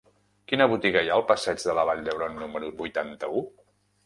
Quina botiga hi ha al passeig de la Vall d'Hebron número vuitanta-u?